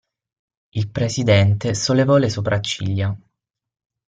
Il presidente sollevò le sopracciglia.